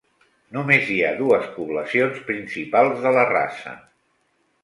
Només hi ha dues poblacions principals de la raça.